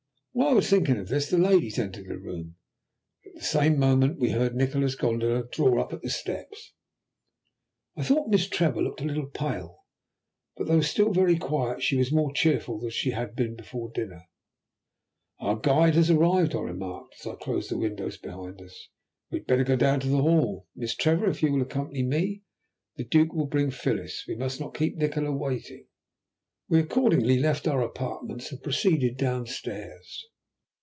While I was thinking of this the ladies entered the room, and at the same moment we heard Nikola's gondola draw up at the steps. I thought Miss Trevor looked a little pale, but though still very quiet she was more cheerful than she had been before dinner. "Our guide has arrived," I remarked, as I closed the windows behind us. "We had better go down to the hall. Miss Trevor, if you will accompany me, the Duke will bring Phyllis. We must not keep Nikola waiting." We accordingly left our apartments and proceeded down stairs.